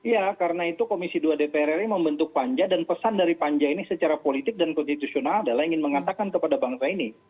ya karena itu komisi dua dpr ri membentuk panja dan pesan dari panja ini secara politik dan konstitusional adalah ingin mengatakan kepada bangsa ini